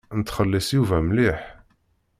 Nettxelliṣ Yuba mliḥ.